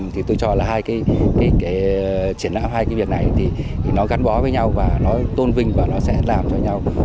thì tôi cho là hai cái triển lãm hai cái việc này thì nó gắn bó với nhau và nó tôn vinh và nó sẽ làm cho nhau